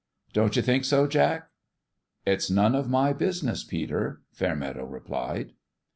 " Don't you think so, Jack?" "It's none of my business, Peter," Fair meadow replied.